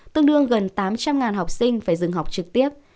tương đương gần tám trăm linh học sinh phải dừng học trực tiếp